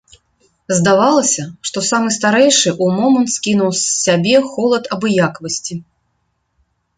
Здавалася, што самы старэйшы ў момант скінуў з сябе холад абыякавасці.